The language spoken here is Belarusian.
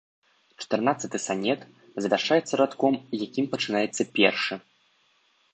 Чатырнаццаты санет завяршаецца радком, якім пачынаецца першы.